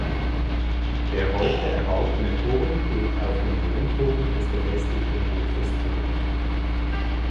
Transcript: Der heute erhaltene Turm geht auf den Wohnturm des befestigten Hofes zurück.